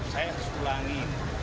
saya harus ulangi